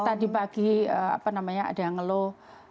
jadi tadi pagi apa namanya ada yang ngeluh